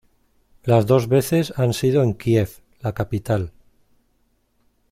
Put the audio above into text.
Las dos veces han sido en Kiev, la capital.